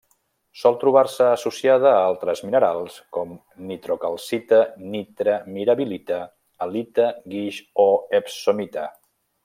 Sol trobar-se associada a altres minerals com: nitrocalcita, nitre, mirabilita, halita, guix o epsomita.